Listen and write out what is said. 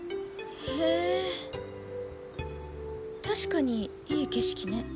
確かにいい景色ね。